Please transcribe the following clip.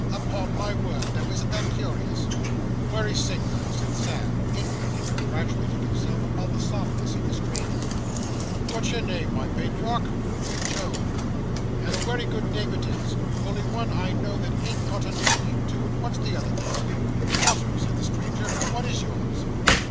'Upon my word. Now, isn't that curious?' 'Wery sing'ler,' said Sam, inwardly congratulating himself upon the softness of the stranger. 'What's your name, my patriarch?' 'Job.' 'And a wery good name it is; only one I know that ain't got a nickname to it. What's the other name?' 'Trotter,' said the stranger. 'What is yours?